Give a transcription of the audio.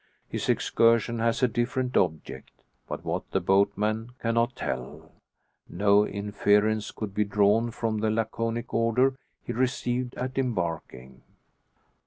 His excursion has a different object; but what the boatman cannot tell. No inference could be drawn from the laconic order he received at embarking.